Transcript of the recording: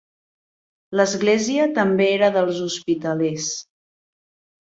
L'església també era dels hospitalers.